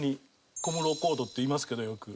「小室コード」って言いますけどよく。